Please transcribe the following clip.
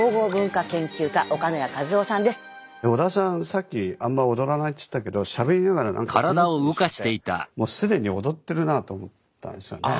さっきあんま踊らないって言ったけどしゃべりながら何かこんなふうにしててもう既に踊ってるなあと思ったんですよね。